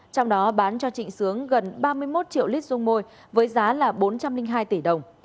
trong đó bán cho trịnh sướng gần ba mươi một triệu lít dung môi với giá là bốn trăm linh hai tỷ đồng